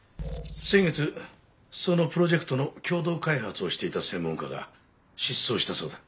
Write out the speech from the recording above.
先月そのプロジェクトの共同開発をしていた専門家が失踪したそうだ。